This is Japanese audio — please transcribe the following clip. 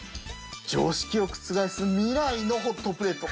常識を覆す未来のホットプレート